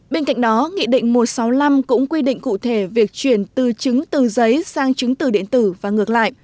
bên cạnh đó nghị định một trăm sáu mươi năm cũng quy định cụ thể việc chuyển từ chứng từ giấy sang chứng từ điện tử và ngược lại